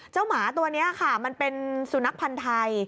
หมาตัวนี้ค่ะมันเป็นสุนัขพันธ์ไทย